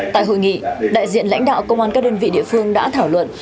tại hội nghị đại diện lãnh đạo công an các đơn vị địa phương đã thảo luận